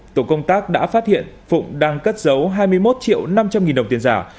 tổ công tác đã phát hiện phụng đang cất giấu hai mươi một triệu năm trăm linh nghìn đồng tiền giả